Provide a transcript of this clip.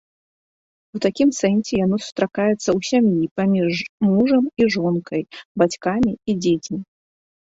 У такім сэнсе яно сустракаецца ў сям'і паміж мужам і жонкай, бацькамі і дзецьмі.